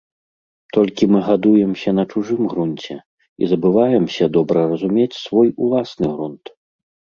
Толькі мы гадуемся на чужым грунце і забываемся добра разумець свой уласны грунт.